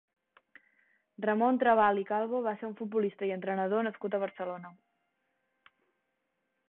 Ramon Trabal i Calvo va ser un futbolista i entrenador nascut a Barcelona.